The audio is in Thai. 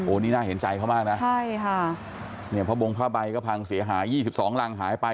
โอ้นี่น่าเห็นใจเขามากนะพระบงภาพใบกระพังเสียหาย๒๒รังหายไป